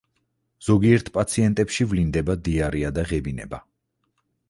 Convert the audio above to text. ზოგიერთ პაციენტებში ვლინდება დიარეა და ღებინება.